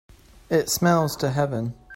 It smells to heaven